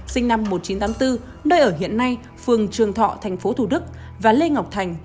sinh năm một nghìn chín trăm tám mươi bốn nơi ở hiện nay phường trường thọ tp thủ đức và lê ngọc thành